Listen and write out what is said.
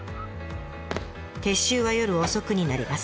撤収は夜遅くになります。